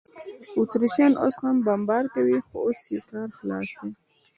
اتریشیان اوس هم بمبار کوي، خو اوس یې کار خلاص دی.